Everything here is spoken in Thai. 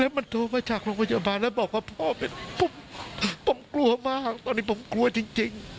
มันโทรมาจากโรงพยาบาลแล้วบอกว่าพ่อเป็นผมกลัวมากตอนนี้ผมกลัวจริง